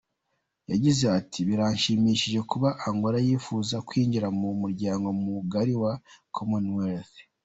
Yagize ati “Birashimishije kuba Angola yifuza kwinjira mu muryango mugari wa Commonwealth”.